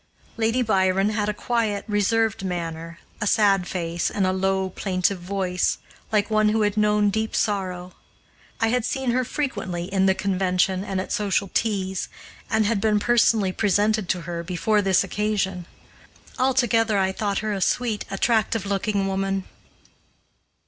Lady Byron had a quiet, reserved manner, a sad face, and a low, plaintive voice, like one who had known deep sorrow. I had seen her frequently in the convention and at social teas, and had been personally presented to her before this occasion. Altogether I thought her a sweet, attractive looking woman.